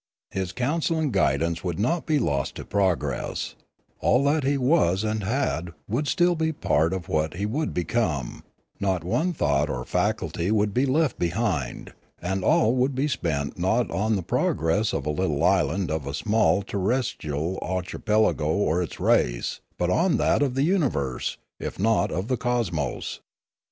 His counsel and guidance would not be lost to progress; all that he was and had would still be part of what he would become; not one thought or faculty would be left behind; and all would then be spent not on the progress of a little island of a small terrestrial archipelago or its race, but on that of the universe, if not of the cosmos.